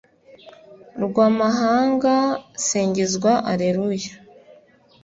rw'amahanga singizwa, alleluya